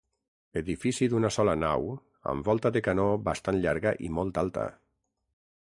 Edifici d'una sola nau amb volta de canó bastant llarga i molt alta.